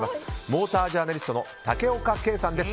モータージャーナリストの竹岡圭さんです。